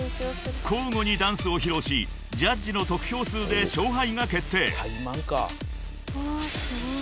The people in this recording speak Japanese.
［交互にダンスを披露しジャッジの得票数で勝敗が決定］